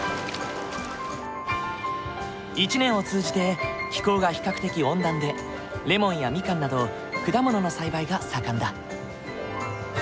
一年を通じて気候が比較的温暖でレモンやミカンなど果物の栽培が盛んだ。